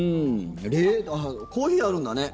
コーヒー、あるんだね。